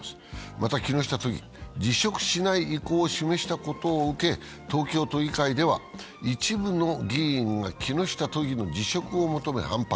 また木下都議、辞職しない意向を示したことを受け東京都議会では一部の議員が木下都議の辞職を求め反発。